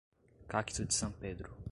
cacto de San Pedro